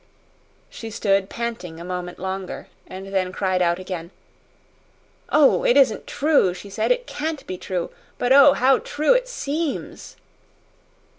She stood panting a moment longer, and then cried out again. "Oh, it isn't true!" she said. "It CAN'T be true! But oh, how true it seems!"